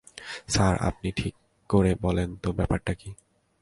Sir, আপনি ঠিক করে বলেন তো ব্যাপারটা কি।